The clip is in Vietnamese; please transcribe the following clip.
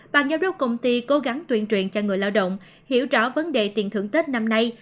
bàn giao đốc công ty cố gắng tuyên truyền cho người lao động hiểu rõ vấn đề tiền thưởng tết năm nay